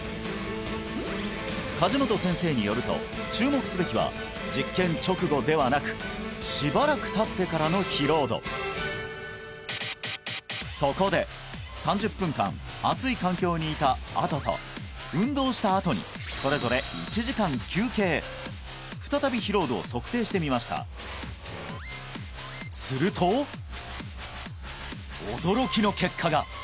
梶本先生によると注目すべきは実験直後ではなくしばらくたってからの疲労度そこで３０分間暑い環境にいたあとと運動したあとにそれぞれ１時間休憩再び疲労度を測定してみましたすると驚きの結果が！